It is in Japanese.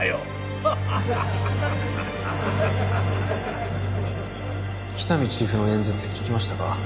ハハハハ喜多見チーフの演説聞きましたか？